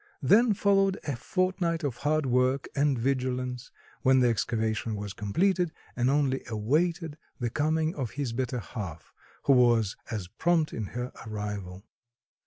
Then followed a fortnight of hard work and vigilance when the excavation was completed and only awaited the coming of his better half, who was as prompt in her arrival.